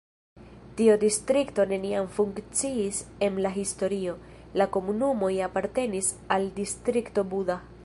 Tiu distrikto neniam funkciis em la historio, la komunumoj apartenis al Distrikto Buda.